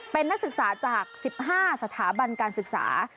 เป็นนักศึกษาจาก๑๕สถาบันการศึกษา